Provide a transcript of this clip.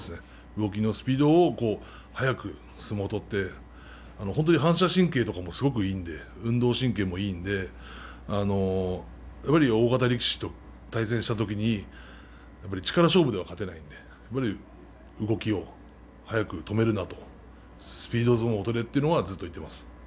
動きのスピードを速く相撲を取って本当に反射神経とかもすごくいいので運動神経もいいので大型力士と対戦した時に力勝負では勝てないので動きを早く止めるなどスピード相撲を取れと言います。